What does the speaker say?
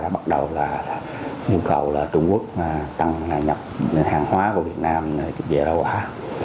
bắt đầu là nhu cầu trung quốc tăng nhập hàng hóa của việt nam về lào hóa